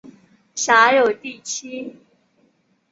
辖有第七。